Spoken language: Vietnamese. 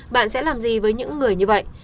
bạn sẽ làm gì với những người như vậy